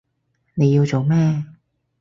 你要做咩？